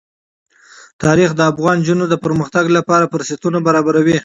تاریخ د افغان نجونو د پرمختګ لپاره فرصتونه برابروي.